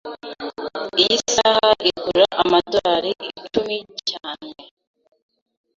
Iyi saha igura amadorari icumi cyane.